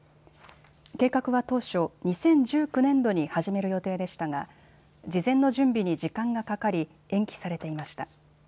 計画は当初、２０１９年度に始める予定でしたが事前の準備に時間がかかり延期されていました。